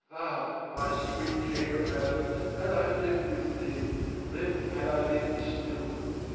Ah, my sweet chamber fellow, had I lived with thee, then had I lived still!